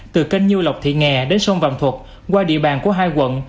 từ kênh nhu lọc thị nghè đến sông vàng thuật qua địa bàn của hai quận